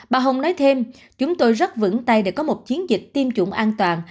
bà hồng nói thêm chúng tôi rất vững tay để có một chiến dịch tiêm chủng an toàn